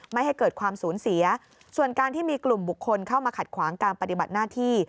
ไม่ให้เกิดความสูญเสียส่วนการที่มีกลุ่มบุคคลเข้ามาขัดขวางการปฏิบัติหน้าที่